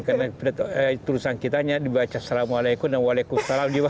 karena tulisan kita hanya dibaca salamualaikum dan waalaikumsalam dibaca